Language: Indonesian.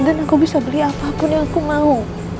dan aku bisa beli apapun yang aku mau